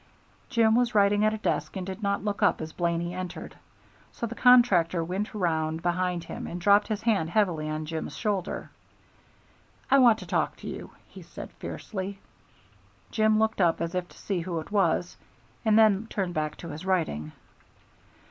Jim was writing at a desk and did not look up as Blaney entered, so the contractor went round behind him and dropped his hand heavily on Jim's shoulder. "I want to talk to you," he said fiercely. Jim looked up as if to see who it was, and then turned back to his writing.